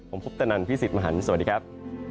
ผมคุปตนันพี่สิทธิ์มหันฯสวัสดีครับ